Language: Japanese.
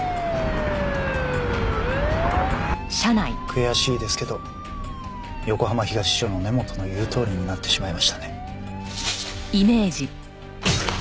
悔しいですけど横浜東署の根本の言うとおりになってしまいましたね。